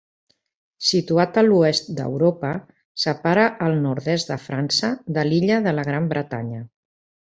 Situat a l'oest d'Europa, separa el nord-est de França de l'illa de la Gran Bretanya.